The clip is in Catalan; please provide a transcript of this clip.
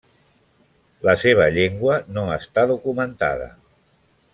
La seva llengua no està documentada.